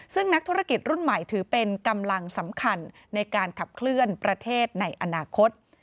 ซึ่งนักธุรกิจรุ่นใหม่ถือเป็นกำลังสำคัญในการขับเคลื่อนประเทศในอนาคต